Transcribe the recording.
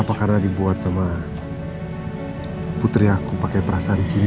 apa karena dibuat sama putri aku pakai perasaan cinta kali ya